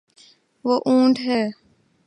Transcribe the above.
وہ اونٹ ہے